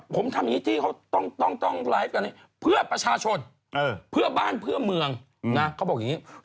ผมทำแบบนี้เพื่อประชาชนเพื่อบ้านเพื่อเมืองเขาบอกอย่างนี้